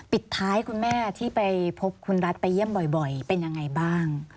ปิดท้ายคุณแม่ที่ไปพบคุณรัฐไปเยี่ยมบ่อยเป็นยังไงบ้าง